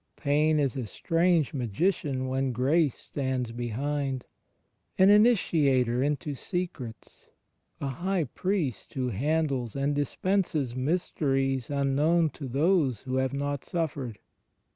... Pain is a strange magician when Grace stands behind, an mitiator into secrets, a High Priest who handles and dispenses mysteries imknown to those who have not suffered.